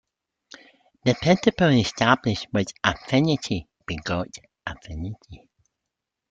The principle established was affinity begot affinity.